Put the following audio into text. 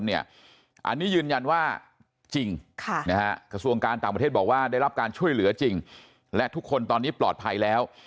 อันนี้ยืนยันว่าจริงกระทรวงการต่างประเทศบอกว่าได้รับการช่วยเหลือจริงและทุกคนตอนนี้ปลอดภัยแล้ว